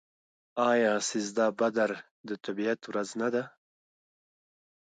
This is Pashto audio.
آیا سیزده بدر د طبیعت ورځ نه ده؟